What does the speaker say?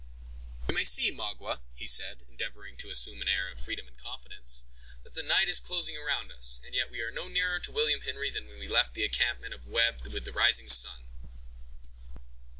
"You may see, Magua," he said, endeavoring to assume an air of freedom and confidence, "that the night is closing around us, and yet we are no nearer to William Henry than when we left the encampment of Webb with the rising sun.